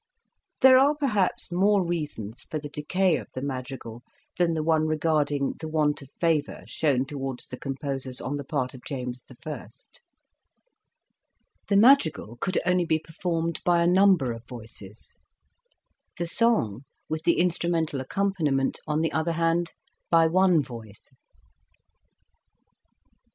There are perhaps more reasons for the decay of the madrigal than the one regarding the want of favour shown towards the composers on the part of James I. The madrigal could only be performed by a number of voices ; the song, with the instrumental accompaniment, on the other hand, by one voice.